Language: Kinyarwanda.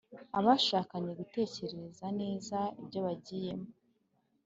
Abashakanye gutekereza neza ibyo bagiyemo